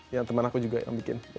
yang teman aku juga yang bikin